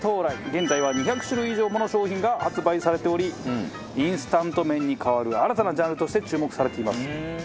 現在は２００種類以上もの商品が発売されておりインスタント麺に代わる新たなジャンルとして注目されています。